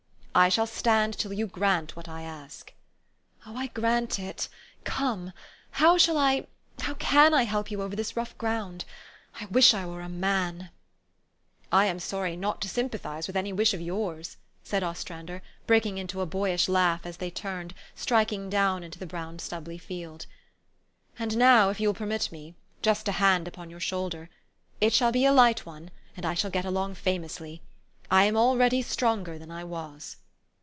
" I shall stand till you grant what I ask." "Oh, I grant it! Come! How shall I how can I help you over this rough ground ? I wish I were a man !"" I am sorry not to sympathize with any wish of 3 r ours," said Ostrander, breaking into a boyish laugh as they turned, striking down into the brown stubbly field. " And now, if you will permit me, just a hand upon your shoulder. It shall be a light one ; and I shall get along famously. I am already stronger than I was."